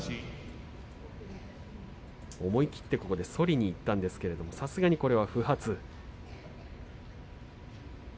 思い切ってそりにいったんですが、さすがにそれは不発。